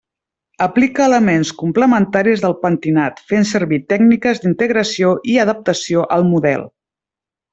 Aplica elements complementaris del pentinat fent servir tècniques d'integració i adaptació al model.